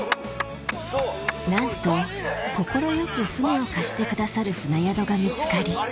なんと快く船を貸してくださる船宿が見つかり